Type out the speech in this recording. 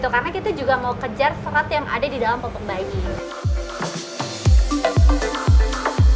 karena kita juga mau kejar serat yang ada di dalam popok bayi ini